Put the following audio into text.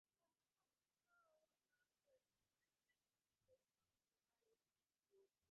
কলকাতার ডাক্তার ডেকে তার সঙ্গে যেন এরকম করবেন না কখনো, জুতো মেরে যাবে।